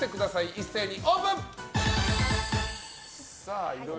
一斉にオープン！